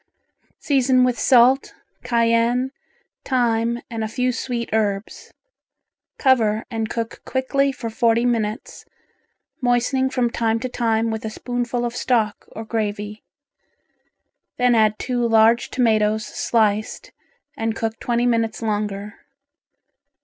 Season with salt, cayenne, thyme and a few sweet herbs. Cover and cook quickly for forty minutes, moistening from time to time with a spoonful of stock or gravy. Then add two large tomatoes sliced, and cook twenty minutes longer.